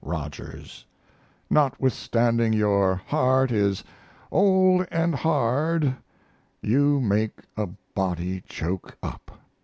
ROGERS, Notwithstanding your heart is "old and hard" you make a body choke up.